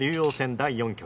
第４局。